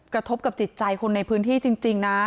กระทบกับจิตใจคนในพื้นที่จริงนะ